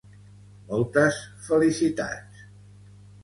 Moltes felicitats.